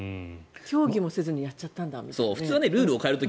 協議もせずにやっちゃったんだと。